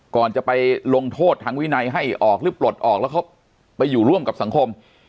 ก่อนจะไปลงโทษทางวินัยให้ออกหรือปลดออกแล้วเขาไปอยู่ร่วมกับสังคม